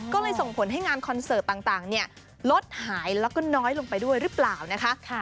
ก็เลยส่งผลให้งานคอนเสิร์ตต่างลดหายแล้วก็น้อยลงไปด้วยหรือเปล่านะคะ